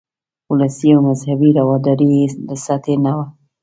ولسي او مذهبي رواداري یې له سطحې نه وه.